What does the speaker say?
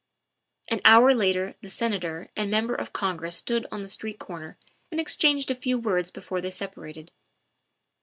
An hour later the Senator and Member of Congress stood on the street corner and exchanged a few words before they separated.